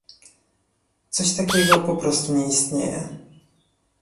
Coś takiego po prostu nie istnieje